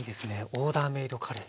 オーダーメードカレー。